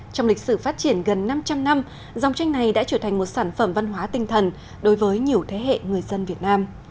trong lịch sử phát triển gần năm trăm linh năm dòng tranh này đã trở thành một sản phẩm văn hóa tinh thần đối với nhiều thế hệ người dân việt nam